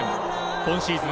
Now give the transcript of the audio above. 今シーズン